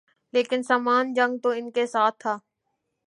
لیکن سامان جنگ تو ان کے ساتھ تھا۔